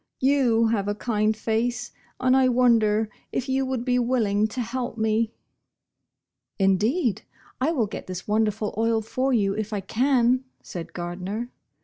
You have a kind face, and I wonder if you would be willing to help me?" " Indeed I will oret this wonderful oil for vou if I can," said Gardner.